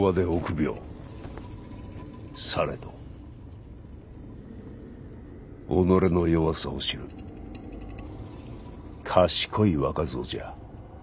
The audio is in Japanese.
されど己の弱さを知る賢い若造じゃ。